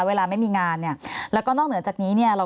เวลาไม่มีงานเนี่ยแล้วก็นอกเหนือจากนี้เนี่ยเรา